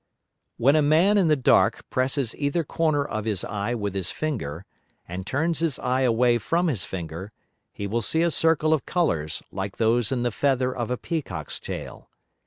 When a Man in the dark presses either corner of his Eye with his Finger, and turns his Eye away from his Finger, he will see a Circle of Colours like those in the Feather of a Peacock's Tail.